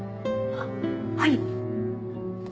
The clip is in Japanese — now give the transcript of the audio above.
あっはい。